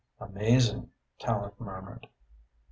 "Amazing!" Tallente murmured.